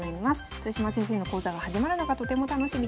豊島先生の講座が始まるのがとても楽しみです。